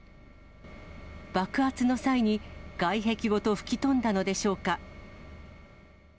爆発の際に、外壁ごと吹き飛んだのでしょうか。